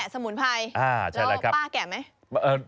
ลุงแกะสมุนไพรแล้วป้าแกะไหม